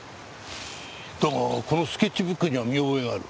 だがこのスケッチブックには見覚えがある。